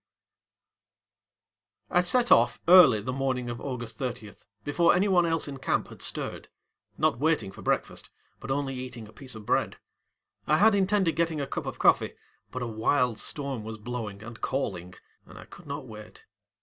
I set off early the morning of August 30 before any one else in camp had stirred, not waiting for breakfast, but only eating a piece of bread. I had intended getting a cup of coffee, but a wild storm was blowing and calling, and I could not wait.